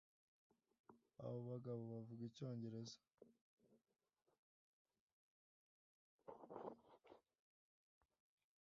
abo bagabo bavuga icyongereza.